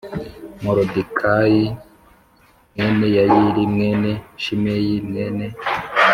Moridekayi mwene Yayiri mwene Shimeyi mwene